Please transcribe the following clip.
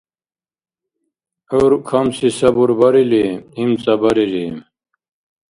ГӀур камси сабурбарили, имцӀабарири